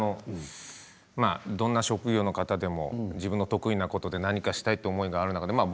どんな職業の方も自分の得意なことで何かしてあげたいという気持ちがあると思います。